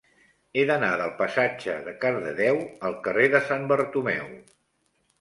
He d'anar del passatge de Cardedeu al carrer de Sant Bartomeu.